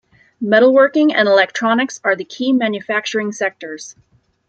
Metalworking and electronics are the key manufacturing sectors.